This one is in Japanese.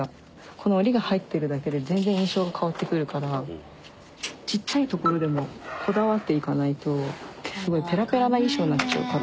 この織りが入ってるだけで全然印象が変わってくるからちっちゃいところでもこだわっていかないとすごいぺらぺらな衣装になっちゃうから。